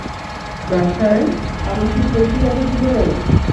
ব্যবসায়ে, এমনকি ব্যক্তিগত জীবনেও।